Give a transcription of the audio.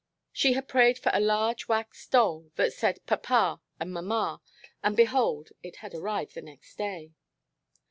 She had prayed for a large wax doll that said papa and mama, and behold, it had arrived the next day.